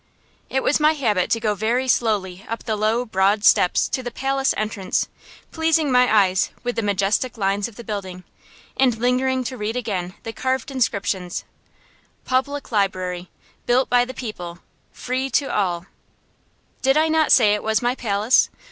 It was my habit to go very slowly up the low, broad steps to the palace entrance, pleasing my eyes with the majestic lines of the building, and lingering to read again the carved inscriptions: Public Library Built by the People Free to All. Did I not say it was my palace?